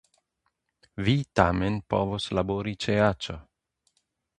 Vi tamen povos labori ĉe aĉjo.